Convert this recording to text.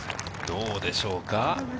どうでしょうか。